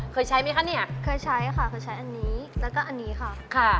เคยใช้ไหมคะเนี่ยเคยใช้ค่ะเคยใช้อันนี้แล้วก็อันนี้ค่ะค่ะ